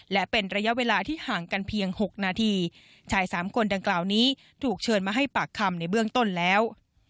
และเป็นระยะเวลาที่ห่างกันเพียง๖นาทีชายสามคนดังกล่าวนี้ถูกเชิญมาให้ปากคำในเบื้องต้นแล้ว